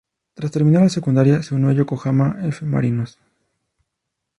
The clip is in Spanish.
Tras terminar la secundaria, se unió al Yokohama F. Marinos.